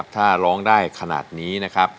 ถ้าร้องได้ขนาดนี้นะครับ